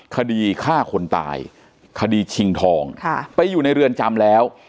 คดีฆ่าคนตายคดีชิงทองไปอยู่ในเรือนจำแล้ว